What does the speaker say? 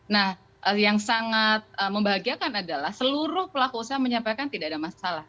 nah yang sangat membahagiakan adalah seluruh pelaku usaha menyampaikan tidak ada masalah